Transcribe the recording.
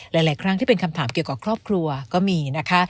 หลายครั้งที่เป็นคำถามเกี่ยวกับครอบครัวก็มีนะคะ